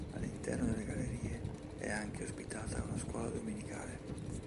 All'interno delle gallerie è anche ospitata una scuola domenicale.